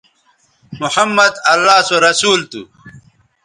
محمدؐ اللہ سو رسول تھو